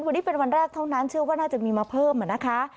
วันนี้เป็นวันแรกเท่านั้นเชื่อว่าน่าจะมีมาเพิ่มนะคะ